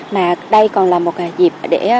mà đây còn là một dịp để